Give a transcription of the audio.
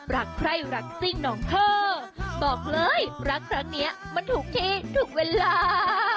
รักใครรักซิ่งน้องเธอบอกเลยรักครั้งนี้มันถูกที่ถูกเวลา